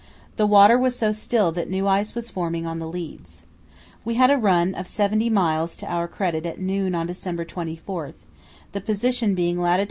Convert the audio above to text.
The water was so still that new ice was forming on the leads. We had a run of 70 miles to our credit at noon on December 24, the position being lat.